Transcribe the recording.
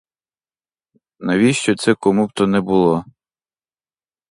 Навіщо це кому б то не було?